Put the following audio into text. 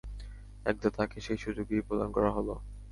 একদা তাকে সেই সুযোগই প্রদান করা হল।